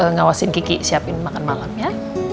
ngawasin gigi siapin makan malam ya